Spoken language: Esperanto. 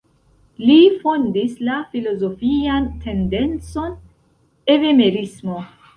Li fondis la filozofian tendencon Evemerismo.